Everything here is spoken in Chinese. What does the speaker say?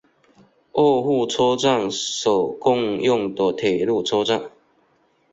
二户车站所共用的铁路车站。